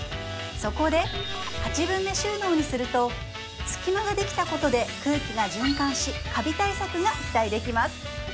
そこで８分目収納にすると隙間ができたことで空気が循環しカビ対策が期待できます